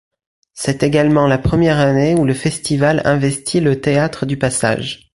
C'est également la première année où le festival investit le Théâtre du Passage.